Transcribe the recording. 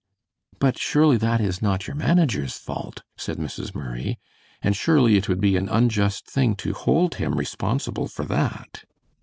"But surely that is not your manager's fault," said Mrs. Murray, "and surely it would be an unjust thing to hold him responsible for that."